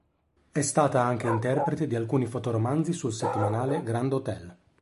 È stata anche interprete di alcuni fotoromanzi sul settimanale "Grand Hotel".